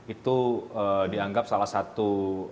itu dianggap salah satu